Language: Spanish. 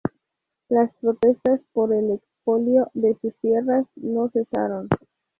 Las protestas por el expolio de sus tierras, no cesaron.